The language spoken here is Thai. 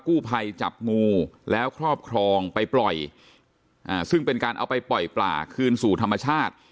กู้ภัยจับงูแล้วครอบครองไปปล่อยอ่าซึ่งเป็นการเอาไปปล่อยปลาคืนสู่ธรรมชาติ